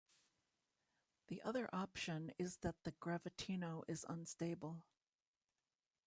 The other option is that the gravitino is unstable.